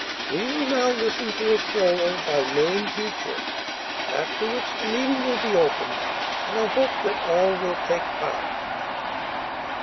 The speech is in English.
We will now listen to a solo by Mame Beecher, after which the meeting will be open, and I hope that all will take part."